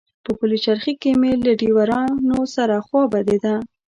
په پلچرخي کې مې له ډریورانو سره خوا بدېده.